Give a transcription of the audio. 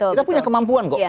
kita punya kemampuan kok